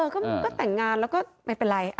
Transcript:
ก็แต่งงานแล้วก็ไม่เป็นไร